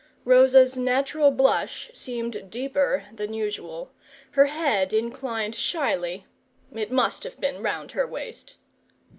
Rosa's natural blush seemed deeper than usual, her head inclined shyly it must have been round her waist.